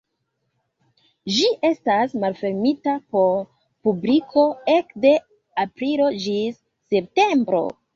Ĝi estas malfermita por publiko ekde aprilo ĝis septembro.